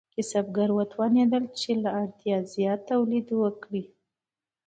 کسبګر وتوانیدل چې له اړتیا زیات تولید وکړي.